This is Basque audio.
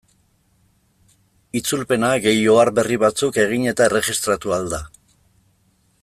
Itzulpena gehi ohar berri batzuk egin eta erregistratu ahal da.